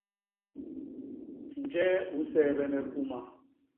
Njee u nseebene puma?